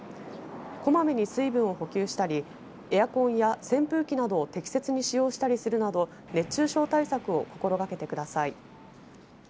こまめに水分を補給したりエアコンや扇風機などを適切に使用したりするなど熱中症対策を心がけてください。